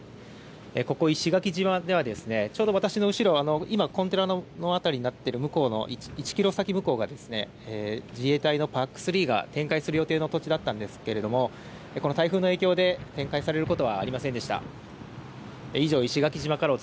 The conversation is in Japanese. ここ、石垣島では、ちょうど私の後ろ、今、コンテナの辺りになっている向こうの１キロ先向こうが、自衛隊のＰＡＣ３が展開する予定の土地だったんですけれども、この台風の影響で、展開されることはありませんでした。